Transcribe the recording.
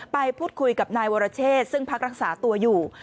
ไปพูดคุยกับนายวรเชษซึ่งพักรักษาตัวอยู่